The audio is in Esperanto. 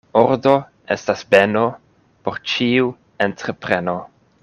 Ordo estas beno por ĉiu entrepreno.